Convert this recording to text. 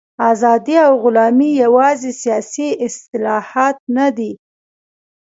ازادي او غلامي یوازې سیاسي اصطلاحات نه دي.